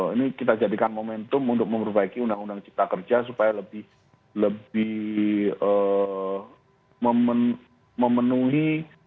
ini kita jadikan momentum untuk memperbaiki undang undang cipta kerja supaya lebih memenuhi